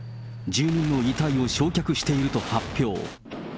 住民の遺体を焼却していると発表。